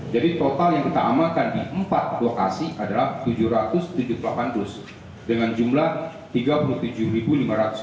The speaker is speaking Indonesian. jadi total yang kita amalkan di empat lokasi adalah tujuh ratus tujuh puluh